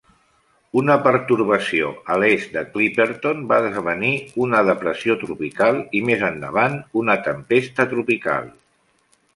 Una pertorbació a l'est de Clipperton va esdevenir una depressió tropical i, més endavant, una tempesta tropical.